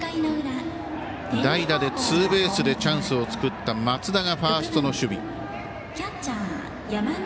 代打でツーベースでチャンスを作った松田がファーストの守備。